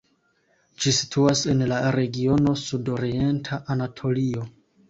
Ĝi situas en la regiono Sudorienta Anatolio.